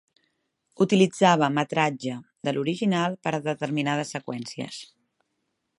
Utilitzava metratge de l'original per a determinades seqüències.